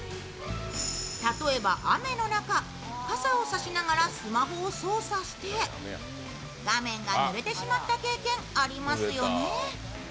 例えば雨の中、傘を差しながらスマホを操作して画面がぬれてしまった経験ありますよね。